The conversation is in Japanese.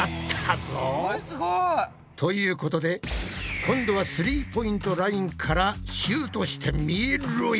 すごいすごい。ということで今度はスリーポイントラインからシュートしてみろや！